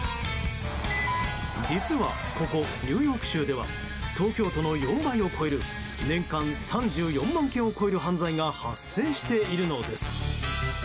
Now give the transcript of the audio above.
実は、ここニューヨーク州では東京都の４倍を超える年間３４万件を超える犯罪が発生しているのです。